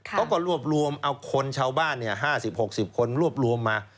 เขาก็รวบรวมเอาคนชาวบ้าน๕๐๖๐คนรวบรวมมา